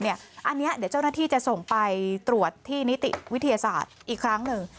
อันนี้เดี๋ยวเจ้าหน้าที่จะส่งไปตรวจที่นิติวิทยาศาสตร์อีกครั้งหนึ่ง